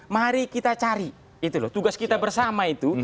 mari kita cari itu loh tugas kita bersama itu